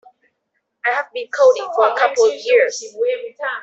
I have been coding for a couple of years.